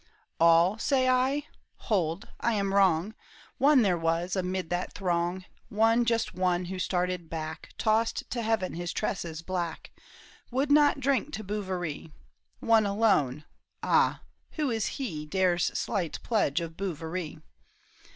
All, say I ? Hold, I am wrong ; One there was amid that throng, One, just one, who started back, Tossed to heaven his tresses black, Would not drink to Bouverie : One alone ; ah, who is he Dares slight pledge of Bouverie